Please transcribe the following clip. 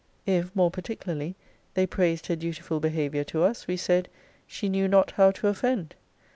If, more particularly, they praised her dutiful behaviour to us, we said, she knew not how to offend.